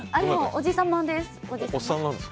おじ様です。